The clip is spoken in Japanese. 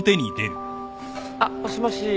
あっもしもし。